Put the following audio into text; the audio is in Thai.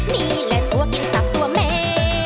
นี่แหละตัวกินตับตัวแม่